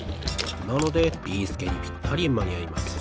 なのでビーすけにぴったりまにあいます。